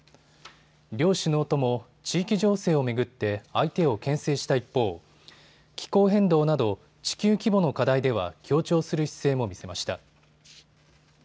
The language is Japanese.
両首脳とも地域情勢を巡って相手をけん制した一方、気候変動など地球規模の課題では協調する姿勢も見せました。